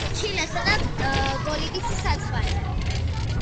ჩილესა და ბოლივიის საზღვარზე.